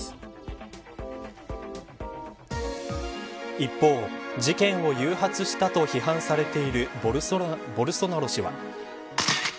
一方、事件を誘発したと批判されているボルソナロ氏は。